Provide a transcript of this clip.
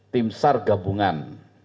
tim sar gabungan